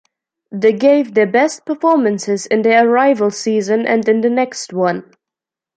They gave their best performances in their arrival season and in the next one.